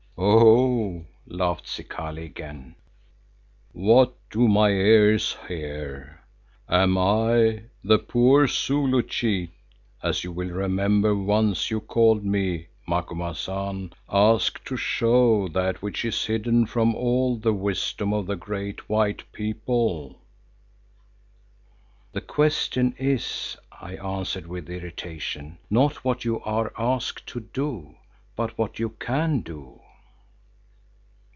"Oho!" laughed Zikali again. "What do my ears hear? Am I, the poor Zulu cheat, as you will remember once you called me, Macumazahn, asked to show that which is hidden from all the wisdom of the great White People?" "The question is," I answered with irritation, "not what you are asked to do, but what you can do."